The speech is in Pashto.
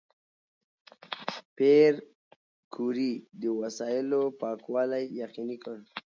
پېیر کوري د وسایلو پاکوالی یقیني کړ.